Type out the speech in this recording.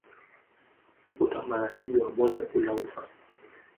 Ukuta wa magharibi wa bonde kuu la ufa